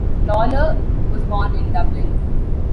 Lawlor was born in Dublin.